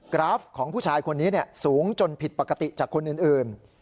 กราฟของผู้ชายคนนี้สูงจนผิดปกติจากคนอื่น